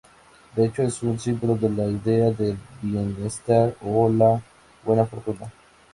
De hecho, es un símbolo de la idea del bienestar o la buena fortuna.